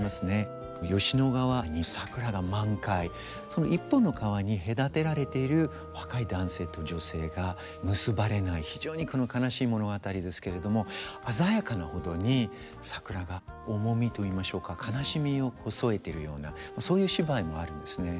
その一本の川に隔てられている若い男性と女性が結ばれない非常に悲しい物語ですけれども鮮やかなほどに桜が重みといいましょうか悲しみを添えてるようなそういう芝居もあるんですね。